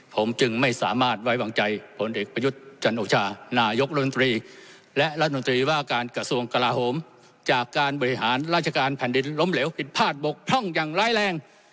ผมจึงไม่สามารถวัยวางใจผลเอกประยุทธิ์การโอกชานายกราชนถุญตรี